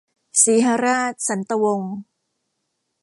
สีหราช สันตะวงศ์